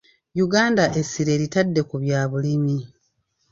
Uganda essira eritadde ku bya bulimi.